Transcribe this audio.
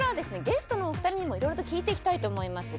ゲストのお２人にもいろいろと聞いていきたいと思います。